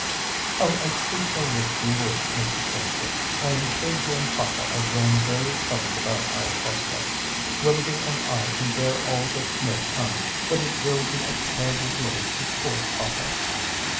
"Oh, I do so wish you would, Mr. Stamford. I am sure he and papa are growing very troubled about our prospects. Willoughby and I can bear all that may come, but it will be a terrible blow to poor papa."